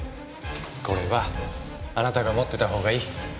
これはあなたが持ってたほうがいい。